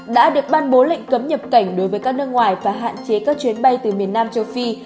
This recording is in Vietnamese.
đã được ban bố lệnh cấm nhập cảnh đối với các nước ngoài và hạn chế các chuyến bay từ miền nam châu phi